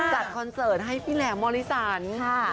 คอนเสิร์ตให้พี่แหลมมริสันค่ะ